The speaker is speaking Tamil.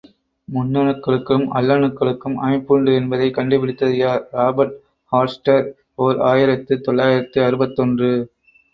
முன்னணுக்களுக்கும் அல்லணுக்களுக்கும் அமைப்புண்டு என்பதைக் கண்டுபிடித்தது யார், இராபர்ட் ஹார்ட்ஸ்டட்டர், ஓர் ஆயிரத்து தொள்ளாயிரத்து அறுபத்தொன்று.